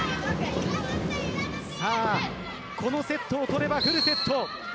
このセットを取ればフルセット。